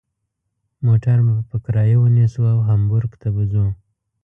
موټر به په کرایه ونیسو او هامبورګ ته به ځو.